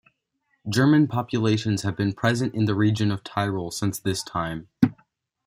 German populations have been present in the region of Tyrol since this time.